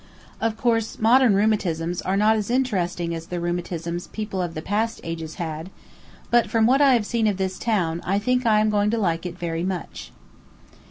Of course, modern rheumatisms are not as interesting as the rheumatisms people of the past ages had; but from what I have seen of this town, I think I am going to like it very much.